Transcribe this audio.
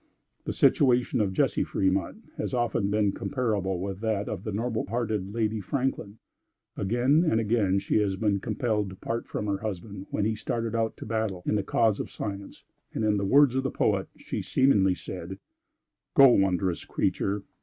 The situation of Jessie Fremont has often been comparable with that of the noble hearted Lady Franklin. Again and again has she been compelled to part from her husband when he started out to battle in the cause of science, and, in the words of the poet, she seemingly said: "Go, wondrous creature!